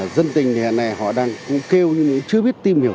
dân tình hiện nay họ đang kêu chưa biết tìm hiểu